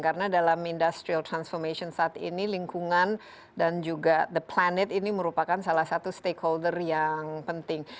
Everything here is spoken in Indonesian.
karena dalam industrial transformation saat ini lingkungan dan juga the planet ini merupakan salah satu stakeholder yang penting